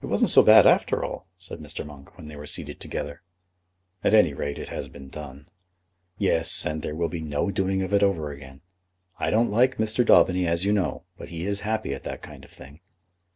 "It wasn't so bad after all," said Mr. Monk, when they were seated together. "At any rate it has been done." "Yes; and there will be no doing of it over again. I don't like Mr. Daubeny, as you know; but he is happy at that kind of thing."